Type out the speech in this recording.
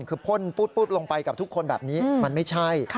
คือพ่นปุ๊ดลงไปกับทุกคนแบบนี้มันไม่ใช่